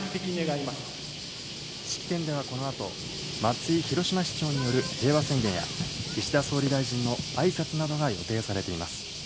式典ではこのあと、まつい広島市長による平和宣言や、岸田総理大臣のあいさつなどが予定されています。